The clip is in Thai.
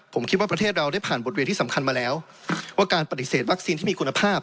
ผมคิดว่าประเทศเราได้ผ่านบทเรียนที่สำคัญมาแล้วว่าการปฏิเสธวัคซีนที่มีคุณภาพ